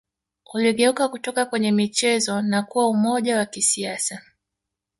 Uligeuka kutoka kwenye michezo na kuwa umoja wa kisiasa